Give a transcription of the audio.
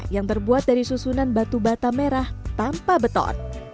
yang terbuat dari susunan batu bata merah tanpa beton